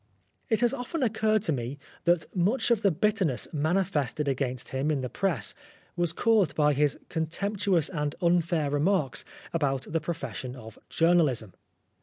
It has often occurred to me, that much of the bitterness manifested against him in the press, was caused by his contemptuous and unfair remarks about the profession of journalism.